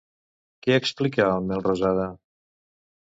Què explica el Melrosada?